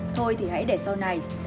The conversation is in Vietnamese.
thôi thì hãy để sau này